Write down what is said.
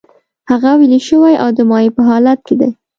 هغه ویلې شوی او د مایع په حالت کې دی.